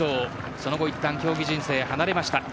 その後一度、競技人生を離れました。